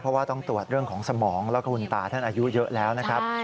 เพราะว่าต้องตรวจเรื่องของสมองแล้วก็คุณตาท่านอายุเยอะแล้วนะครับ